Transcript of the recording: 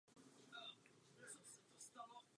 Okrajová je rozdělena na velkou a malou.